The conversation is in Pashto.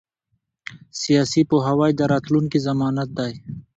سیاسي پوهاوی د راتلونکي ضمانت دی